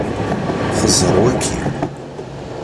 Xeẓẓeṛ wayi.